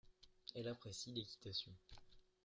Elle apprécie l'équitation.